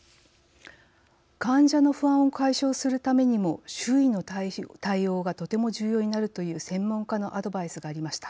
患者の不安を解消するためにも周囲の対応がとても重要になるという専門家のアドバイスがありました。